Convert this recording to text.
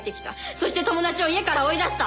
そして友達を家から追い出した！